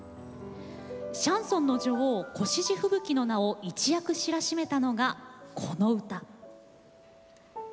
シャンソンの女王越路吹雪の名を一躍知らしめたのが、この歌。